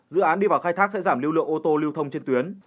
dự án đi vào khai thác sẽ giảm lưu lượng ô tô lưu thông trên tuyến